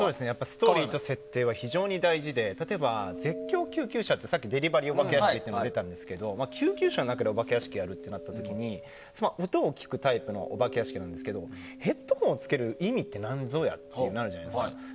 ストーリーと設定は非常に大事で例えば、さっきデリバリーの救急車型のお化け屋敷がありましたが救急車の中でお化け屋敷をやるってなった時に音を聴くお化け屋敷なんですがヘッドホンをつける意味って何ぞやってなるじゃないですか。